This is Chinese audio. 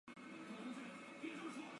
此线以南北纵贯中央部分。